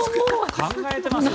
考えてますね